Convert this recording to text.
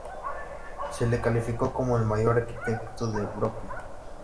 Se le calificó como el mayor arquitecto de Brooklyn.